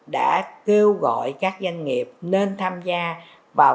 đã kêu gọi các doanh nghiệp nên tham gia vào